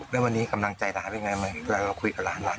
แต่ว่าเดี๋ยวเขาทำให้แต่ก็ไม่รู้ว่าไป